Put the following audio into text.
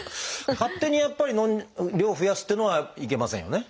勝手にやっぱり量を増やすっていうのはいけませんよね？